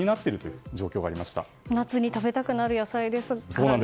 夏に食べたくなる野菜ですがね。